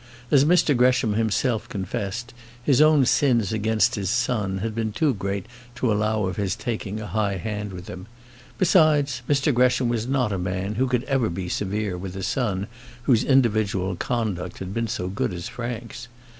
As Mr Gresham himself confessed, his own sins against his son had been too great to allow of his taking a high hand with him. Besides, Mr Gresham was not a man who could ever be severe with a son whose individual conduct had been so good as Frank's.